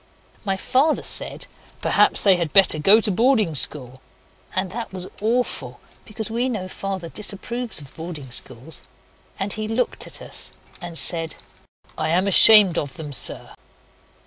My father said, 'Perhaps they had better go to boarding school.' And that was awful, because we know Father disapproves of boarding schools. And he looked at us and said, 'I am ashamed of them, sir!